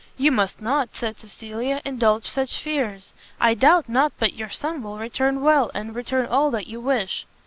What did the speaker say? "You must not," said Cecilia, "indulge such fears; I doubt not but your son will return well, and return all that you wish."